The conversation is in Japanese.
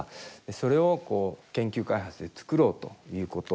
それを研究開発で作ろうということ。